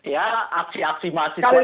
ya aksi aksi mahasiswa ini